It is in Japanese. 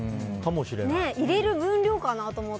入れる分量かなと思って。